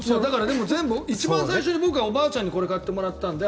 全部一番最初に僕はおばあちゃんに買ってもらったので。